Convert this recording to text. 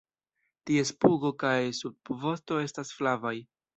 Ties pugo kaj subvosto estas flavaj.